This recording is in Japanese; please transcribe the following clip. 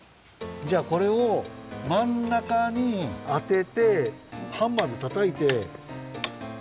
じゃあこれをまんなかにあててハンマーでたたいて。